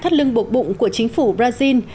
thắt lưng bột bụng của chính phủ berlin